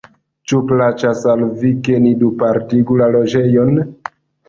Ĉu plaĉas al vi, ke ni dupartigu la loĝejon?